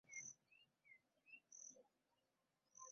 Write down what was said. Museveni agamba Uganda erina ebitone ebitasangika.